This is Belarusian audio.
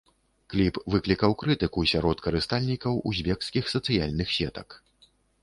Кліп выклікаў крытыку сярод карыстальнікаў узбекскіх сацыяльных сетак.